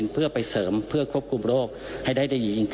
เพื่อไปเสริมเพื่อควบคุมโรคให้ได้ยิง